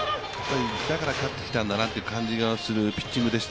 だから勝ってきたんだなという感じのピッチングでした。